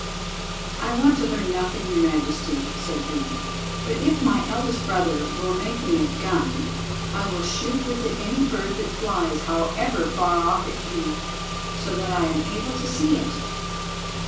"I want to learn nothing, your majesty," said he, "but if my eldest brother will make me a gun, I will shoot with it any bird that flies, however far off it be, so that I am able to see it."